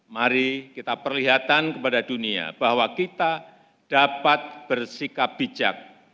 mari kita perlihatkan kepada dunia bahwa kita dapat bersikap bijak